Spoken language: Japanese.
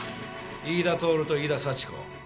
飯田透と飯田幸子。